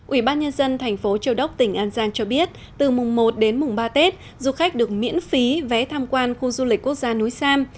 ủy ban nhân dân thành phố châu đốc tỉnh an giang cho biết từ mùng một đến mùng ba tết du khách được miễn phí vé tham quan khu du lịch quốc gia núi sam